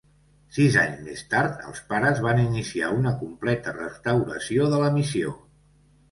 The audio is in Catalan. Sis anys més tard, els pares van iniciar una completa restauració de la missió.